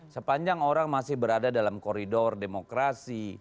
sepanjang orang masih berada dalam koridor demokrasi